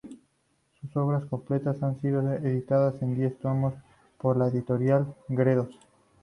Sus obras completas han sido editadas en diez tomos por la Editorial Gredos.